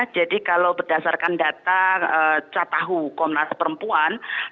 jadi kalau berdasarkan data catahu komnas perempuan